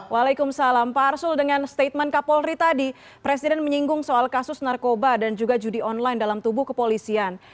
waalaikumsalam pak arsul dengan statement kak polri tadi presiden menyinggung soal kasus narkoba dan juga judi online dalam tubuh kepolisian